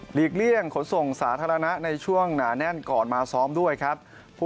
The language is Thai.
เลี่ยงขนส่งสาธารณะในช่วงหนาแน่นก่อนมาซ้อมด้วยครับ